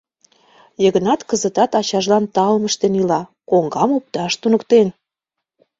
Йыгнат кызытат ачажлан таум ыштен ила: коҥгам опташ туныктен.